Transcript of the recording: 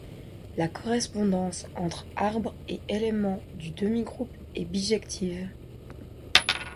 La correspondance entre arbres et éléments du demi-groupe est bijective.